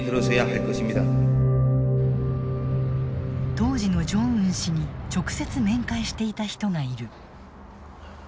当時のジョンウン氏に直接面会していた人がいる。